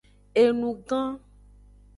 Enu gan.